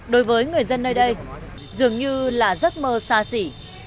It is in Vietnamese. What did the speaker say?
đối với người dân nơi đây dường như là giấc mơ xa xỉ